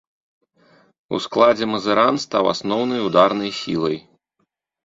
У складзе мазыран стаў асноўнай ударнай сілай.